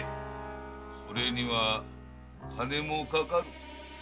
それには金もかかる。